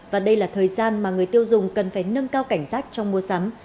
và đây là thời gian mà người tiêu dùng cần phải nâng cao cảnh sát trong mùa sắm